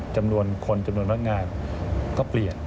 จำนวนคนจำนวนพนักงานก็เปลี่ยน